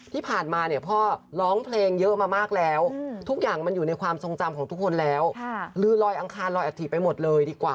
ที่ผ่านมาพ่อล้องเพลงเยอะมากแล้ว